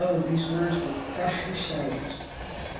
these words will crush your souls.